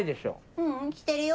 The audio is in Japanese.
ううんしてるよ。